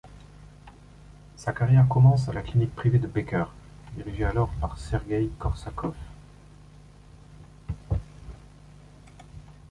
Sa carrière commence à la clinique privée de Becker, dirigée alors par Sergueï Korsakov.